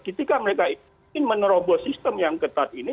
ketika mereka ingin menerobos sistem yang ketat ini